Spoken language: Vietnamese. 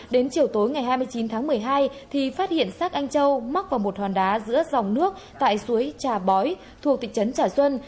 đến chiều tối ngày hai mươi chín tháng một mươi hai thì phát hiện xác anh châu mắc vào một hòn đá giữa dòng nước tại suối trà bói thuộc thị trấn trà xuân